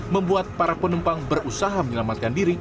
membuat para penumpang berusaha menyelamatkan diri